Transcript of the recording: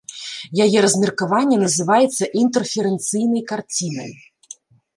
Яе размеркаванне называецца інтэрферэнцыйнай карцінай.